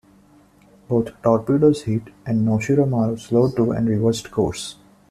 Both torpedoes hit and "Noshiro Maru" slowed to and reversed course.